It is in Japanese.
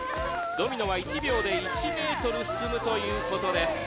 ドミノは１秒で１メートル進むということです。